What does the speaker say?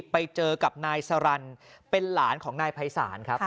ไปเจอกับนายสรรค์เป็นหลานของนายภัยศาลครับ